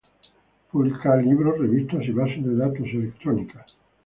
Publica libros, revistas y bases de datos electrónicas.